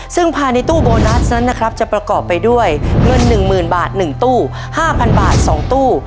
ซึ่งภายในตู้โบนัสนั้นนะครับจะประกอบไปด้วยเงิน๑๐๐๐บาท๑ตู้๕๐๐บาท๒ตู้